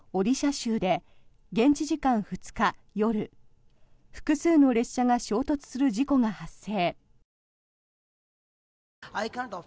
州で現地時間２日夜複数の列車が衝突する事故が発生。